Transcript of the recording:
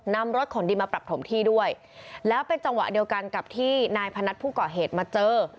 นำรถของดีมาปรับถมที่ด้วยแล้วเป็นจังหวะเดียวกันกับที่นายพนัทผู้ก่อเหตุมาเจอ